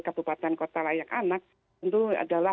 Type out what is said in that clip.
kabupaten kota layak anak tentu adalah